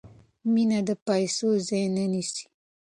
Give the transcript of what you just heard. مینه د پیسو ځای نه نیسي.